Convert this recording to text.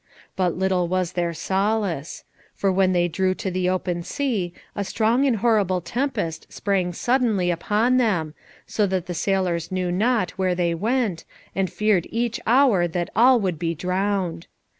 But little was their solace. For when they drew to the open sea a strong and horrible tempest sprang suddenly upon them, so that the sailors knew not where they went, and feared each hour that all would be drowned.